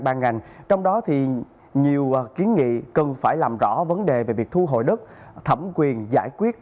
bàn ngành trong đó thì nhiều kiến nghị cần phải làm rõ vấn đề về việc thu hồi đất thẩm quyền giải quyết